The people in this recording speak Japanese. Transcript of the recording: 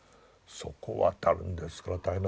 そこを渡るんですから大変なんです。